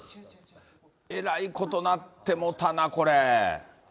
えらいことなってもうたな、これ。